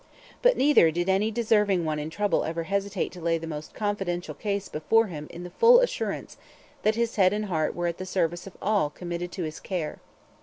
But neither did any deserving one in trouble ever hesitate to lay the most confidential case before him in the full assurance that his head and heart were at the service of all committed to his care.